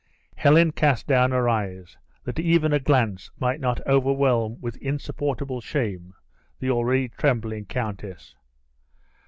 Helen cast down her eyes, that even a glance might not overwhelm with insupportable shame the already trembling countess.